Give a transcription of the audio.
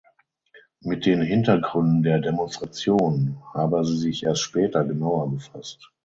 Mit den Hintergründen der Demonstration habe sie sich erst später genauer befasst.